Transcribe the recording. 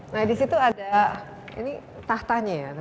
nah disitu ada ini tahtanya ya